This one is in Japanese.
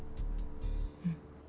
うん。